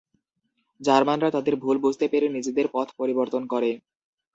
জার্মানরা তাদের ভুল বুঝতে পেরে নিজেদের পথ পরিবর্তন করে।